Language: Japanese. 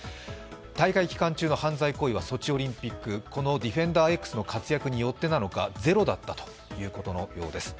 大会期間中の犯罪行為はソチオリンピック、このＤＥＦＥＮＤＥＲ−Ｘの活躍によってなのか０だったということのようです。